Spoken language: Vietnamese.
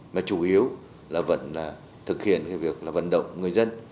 mà chủ yếu là vẫn thực hiện việc là vận động người dân